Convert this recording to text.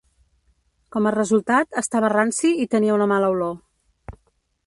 Com a resultat, estava ranci i tenia una mala olor.